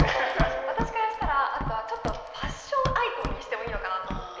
私からしたらあとはちょっとファッションアイコンにしてもいいのかなと思っていて。